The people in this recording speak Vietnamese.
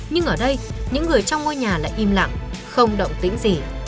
nhưng ở đây những người trong ngôi nhà lại im lặng không động tĩnh gì